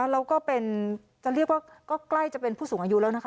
เราก็เป็นก็ใกล้จะเป็นผู้สูงอายุแล้วนะคะ